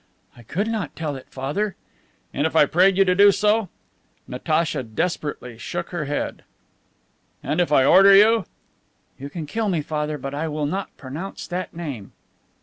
"I could not tell it, Father." "And if I prayed you to do so?" Natacha desperately shook her head. "And if I order you?" "You can kill me, Father, but I will not pronounce that name."